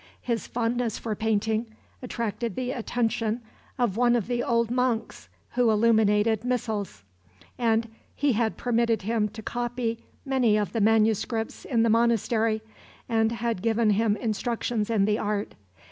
His fondness for painting attracted the attention of one of the old monks, who illuminated missals; and he had permitted him to copy many of the manuscripts in the monastery, and had given him instructions in the art.